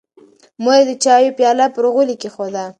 مور یې د چایو پیاله پر غولي کېښوده.